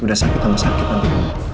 udah sakit sama sakit nanti